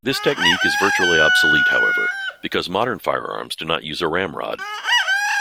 This technique is virtually obsolete, however, because modern firearms do not use a ramrod.